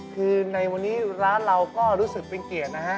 คือในวันนี้ร้านเราก็รู้สึกเป็นเกียรตินะฮะ